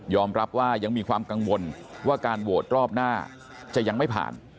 รับว่ายังมีความกังวลว่าการโหวตรอบหน้าจะยังไม่ผ่าน